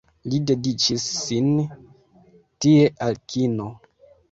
Li dediĉis sin tie al kino.